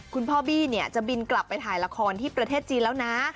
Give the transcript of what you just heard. คุณพ่อบี้เนี่ยจะบินกลับไปถ่ายละครที่ประเทศจีนแล้วนะ